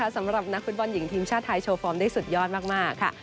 สำหรับนักฟุตบอลหญิงทีมชาติไทยโชว์ฟอร์มได้สุดยอดมากค่ะ